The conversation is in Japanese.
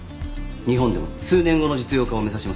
日本でも数年後の実用化を目指します。